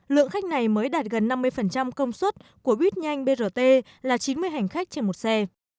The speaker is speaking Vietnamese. lượng khách này mới đạt gần năm mươi công suất của buýt nhanh brt là chín mươi hành khách trên một xe